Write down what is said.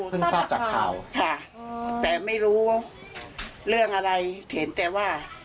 ทราบจากข่าวค่ะแต่ไม่รู้เรื่องอะไรเห็นแต่ว่า